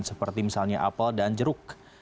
seperti misalnya apel dan jeruk